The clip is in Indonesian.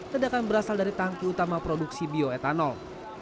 ledakan berasal dari tangki utama produksi bioetanol